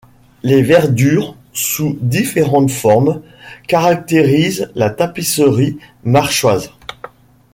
Les verdures, sous différentes formes, caractérisent la tapisserie marchoise.